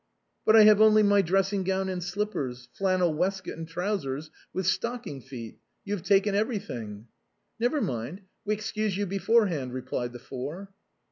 " But I have only my dressing gown and slippers, flannel waistcoat and trousers with stocking feet. You have taken everything." " Never mind ; we excuse you beforehand," replied the four.